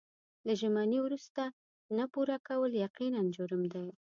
له ژمنې وروسته نه پوره کول یقیناً جرم دی.